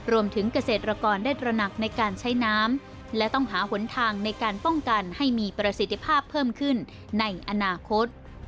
รวมถึงเกษตรกรได้ตระหนักในการใช้น้ำและต้องหาหนทางในการป้องกันให้มีประสิทธิภาพเพิ่มขึ้นในอนาคต